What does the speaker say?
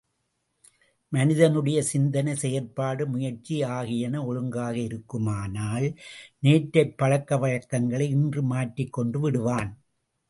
மனிதனுடைய சிந்தனை செயற்பாடு முயற்சி ஆகியன ஒழுங்காக இருக்குமானால் நேற்றைப் பழக்க வழக்கங்களை இன்று மாற்றிக் கொண்டு விடுவான்.